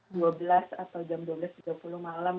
dua belas atau jam dua belas tiga puluh malam